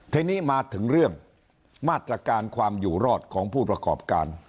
ทีนี้มาถึงเรื่องมาตรการความอยู่รอดของผู้ประกอบการ